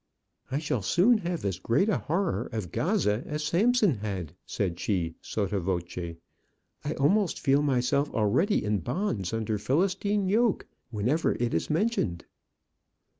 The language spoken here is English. "I shall soon have as great a horror of Gaza as Samson had," said she, sotto voce. "I almost feel myself already in bonds under Philistian yoke whenever it is mentioned."